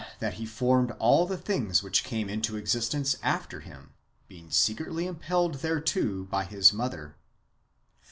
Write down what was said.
21 that he formed all the things which came into existence after him, being secretly impelled thereto by his mother.